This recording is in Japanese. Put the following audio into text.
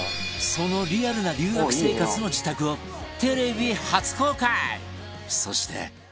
そのリアルな留学生活の自宅をテレビ初公開！